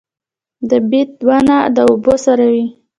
د بید ونه د اوبو سره وي